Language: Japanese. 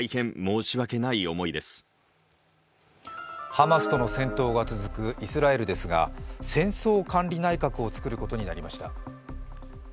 ハマスとの戦闘が続くイスラエルですが戦争管理内閣を作ることになりました。